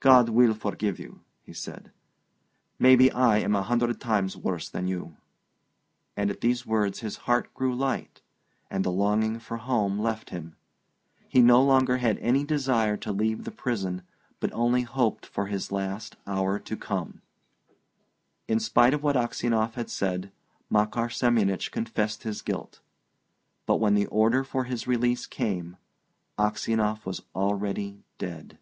"God will forgive you!" said he. "Maybe I am a hundred times worse than you." And at these words his heart grew light, and the longing for home left him. He no longer had any desire to leave the prison, but only hoped for his last hour to come. In spite of what Aksionov had said, Makar Semyonich confessed his guilt. But when the order for his release came, Aksionov was already dead.